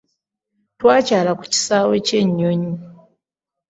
Twakyala ku kisaawe ky'ennyonyi.